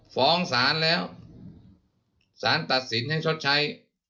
ฟ้องศาลแล้วสารตัดสินให้ชดใช้